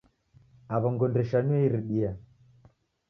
Aw'ongo ndeshanuye iridia